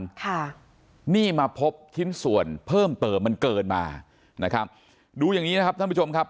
ค่ะนี่มาพบชิ้นส่วนเพิ่มเติมมันเกินมานะครับดูอย่างงี้นะครับท่านผู้ชมครับ